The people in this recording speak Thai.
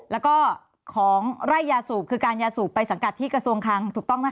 แล้วก็ของไร่ยาสูบคือการยาสูบไปสังกัดที่กระทรวงคังถูกต้องไหม